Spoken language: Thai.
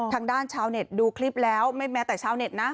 ทางด้านชาวเน็ตดูคลิปแล้วไม่แม้แต่ชาวเน็ตนะ